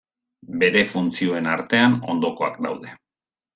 Bere funtzioen artean ondokoak daude.